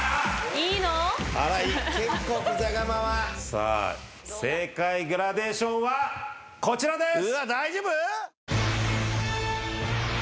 さあ正解グラデーションはこちらです！